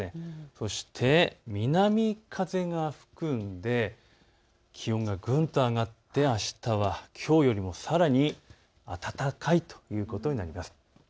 そして南風が吹くので気温がぐんと上がって、あしたはきょうよりもさらに暖かいということになります。